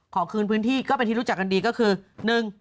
ขอคืนพื้นที่ก็เป็นที่รู้จักกันดีก็คือ